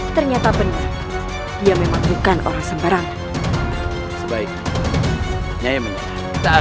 ternyata benar dia memang bukan orang sembarangan baiknya nyaya menyerah tak